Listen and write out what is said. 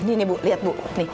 ini bu liat bu